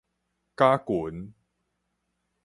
絞群